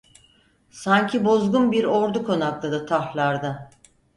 Sanki bozgun bir ordu konakladı tarhlarda...